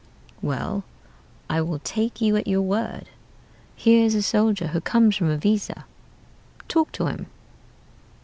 "'Well, I will take you at your word. Here is a soldier who comes from Iviza. Talk to him.'